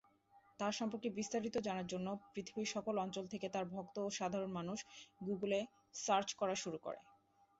তার সম্পর্কে বিস্তারিত জানার জন্য পৃথিবীর সকল অঞ্চল থেকে তার ভক্ত ও সাধারণ মানুষ গুগল এ সার্চ করা শুরু করে।